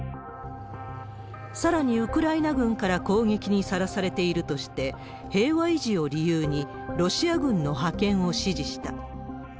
さらにウクライナ軍から攻撃にさらされているとして、平和維持を理由に、ロシア軍の派遣を指示した。